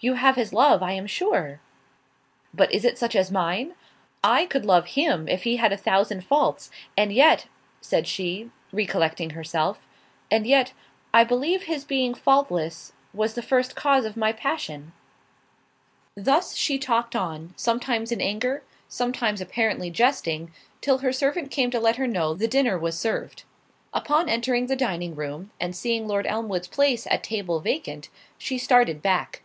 "You have his love, I am sure." "But is it such as mine? I could love him if he had a thousand faults. And yet," said she, recollecting herself, "and yet, I believe his being faultless, was the first cause of my passion." Thus she talked on—sometimes in anger, sometimes apparently jesting—till her servant came to let her know the dinner was served. Upon entering the dining room, and seeing Lord Elmwood's place at table vacant, she started back.